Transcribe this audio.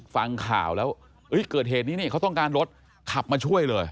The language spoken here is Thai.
ฟังข่าวแล้วเกิดเหตุนี้นี่เขาต้องการรถขับมาช่วยเลย